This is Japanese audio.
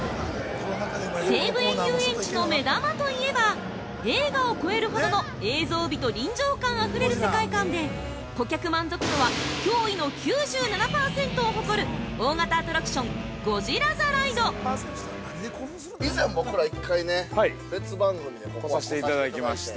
◆西武園ゆうえんちの目玉といえば映画を超えるほどの映像美と臨場感あふれる世界観で顧客満足度は驚異の９７％を誇る大型アトラクション「ゴジラ・ザ・ライド」◆以前、僕ら一回ね別番組で来させていただきまして。